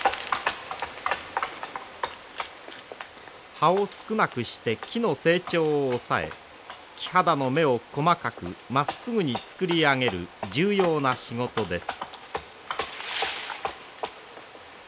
葉を少なくして木の成長を抑え木肌の目を細かくまっすぐに作り上げる重要な仕事です。